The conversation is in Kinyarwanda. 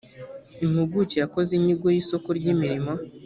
impuguke yakoze inyigo y’isoko ry’imirimo